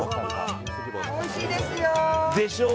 おいしいですよ！